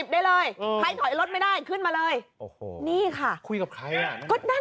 ได้มั้ยบอกพูดงรุ่งเนี้ยใครถอยได้มึง